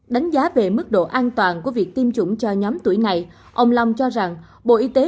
đánh giá về mức độ an toàn của việc tiêm chủng cho nhóm tuổi này ông long cho rằng bộ y tế